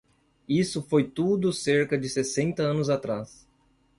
Isso foi tudo cerca de sessenta anos atrás.